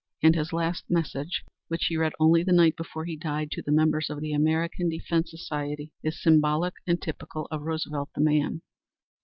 And his last message, which he read only the night before he died, to the members of the American Defense Society, is symbolic and typical of Roosevelt the man.